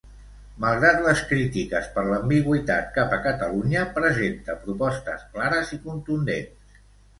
Malgrat les crítiques per l'ambigüitat cap a Catalunya, presenta propostes clares i contundents.